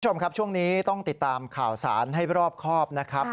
คุณผู้ชมครับช่วงนี้ต้องติดตามข่าวสารให้รอบครอบนะครับ